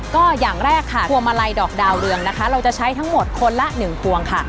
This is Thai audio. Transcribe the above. ก็อย่างแรกค่ะพวงมาลัยดอกดาวเรืองนะคะเราจะใช้ทั้งหมดคนละ๑พวงค่ะ